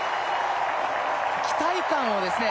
期待感をですね